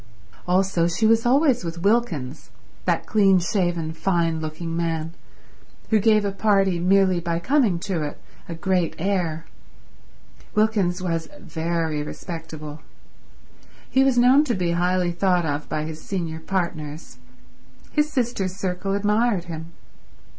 Also she was always with Wilkins, that clean shaven, fine looking man, who gave a party, merely by coming to it, a great air. Wilkins was very respectable. He was known to be highly thought of by his senior partners. His sister's circle admired him.